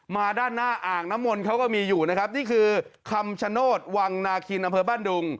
ด้านหน้าอ่างน้ำมนต์เขาก็มีอยู่นะครับนี่คือคำชโนธวังนาคินอำเภอบ้านดุง